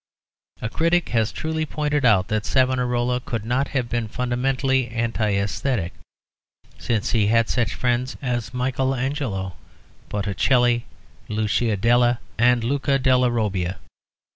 A critic has truly pointed out that Savonarola could not have been fundamentally anti æsthetic, since he had such friends as Michael Angelo, Botticelli, and Luca della Robbia.